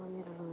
tau itu lah